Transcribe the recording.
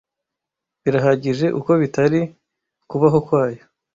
Birahagije uko bitari. Kubaho kwayo